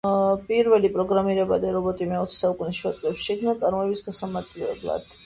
პირველი პროგრამირებადი რობოტი მეოცე საუკუნის შუა წლებში შეიქმნა წარმოების გასამარტივებლად